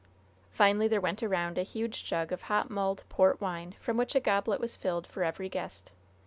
Finally, there went around a huge jug of hot mulled port wine, from which a goblet was filled for every guest.